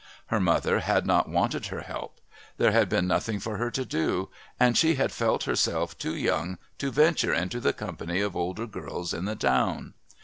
Her mother had not wanted her help. There had been nothing for her to do, and she had felt herself too young to venture into the company of older girls in the town.